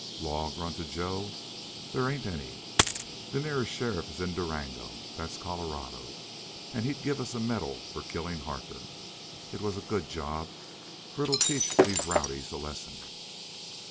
"Law!" grunted Joe. "There ain't any. The nearest sheriff is in Durango. That's Colorado. And he'd give us a medal for killing Harker. It was a good job, for it'll teach these rowdies a lesson."